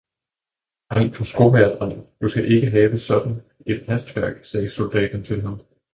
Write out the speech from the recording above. "Ej, du skomagerdreng! Du skal ikke have sådant et hastværk," sagde soldaten til ham.